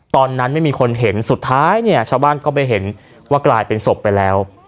ตอนนั้นไม่มีคนเห็นสุดท้ายเนี่ยชาวบ้านก็ไปเห็นว่ากลายเป็นศพไปแล้ว